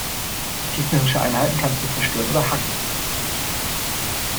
Gegnerische Einheiten kannst du zerstören oder hacken.